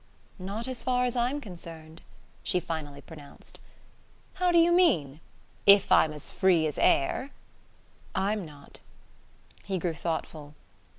"Not as far as I'm concerned," she finally pronounced. "How do you mean? If I'm as free as air ?" "I'm not." He grew thoughtful.